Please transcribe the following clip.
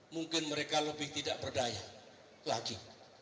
mungkin mereka lebih tidak berdaya lagi